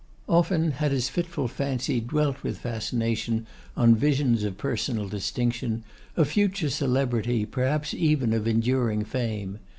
Often had his fitful fancy dwelt with fascination on visions of personal distinction, of future celebrity, perhaps even of enduring fame.